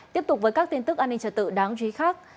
tiếp tục với các tin tức an ninh trật tự đáng chú ý khác